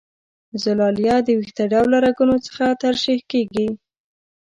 زلالیه د وېښته ډوله رګونو څخه ترشح کیږي.